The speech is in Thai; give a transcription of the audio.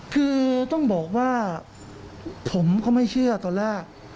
คือต้องบอกว่าผมก็ไม่เชื่อตอนแรก